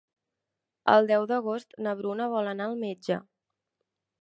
El deu d'agost na Bruna vol anar al metge.